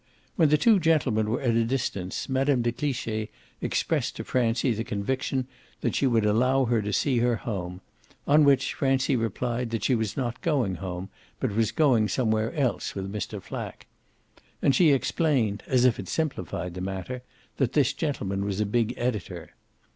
While the two gentlemen were at a distance Mme. de Cliche expressed to Francie the conviction that she would allow her to see her home: on which Francie replied that she was not going home, but was going somewhere else with Mr. Flack. And she explained, as if it simplified the matter, that this gentleman was a big editor.